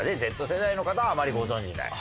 Ｚ世代の方はあまりご存じない。